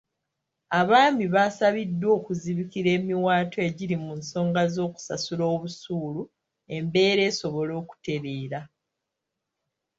Abaami baasabiddwa okuzibikira emiwaatwa egiri mu nsonga z'okusasula obusuulu embeera esobole okutereera.